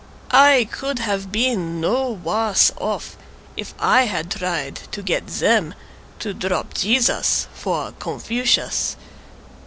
I could have been no worse off If I had tried to get them to drop Jesus for Confucius.